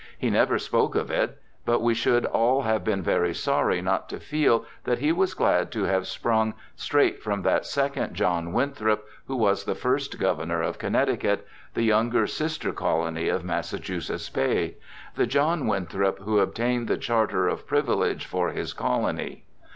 He never spoke of it; but we should all have been sorry not to feel that he was glad to have sprung straight from that second John Winthrop who was the first Governor of Connecticut, the younger sister colony of Massachusetts Bay, the John Winthrop who obtained the charter of privileges for his colony.